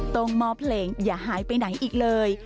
ต้องมอบเพลงอย่าหายไปไหนอีกเลย